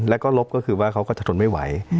แล้วก็ลบก็คือว่าเขาก็จะทนไม่ไหว